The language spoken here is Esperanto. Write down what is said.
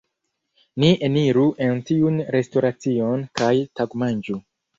Ni eniru en tiun restoracion, kaj tagmanĝu.